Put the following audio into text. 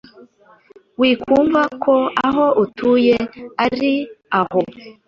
wikumva ko aho utuye ari aho.